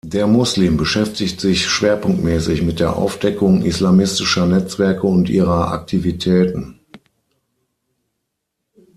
Der Muslim beschäftigt sich schwerpunktmäßig mit der Aufdeckung islamistischer Netzwerke und ihrer Aktivitäten.